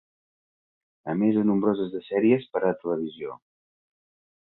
A més de nombroses de sèries per a televisió.